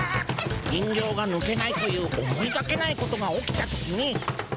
人形がぬけないという思いがけないことが起きた時に。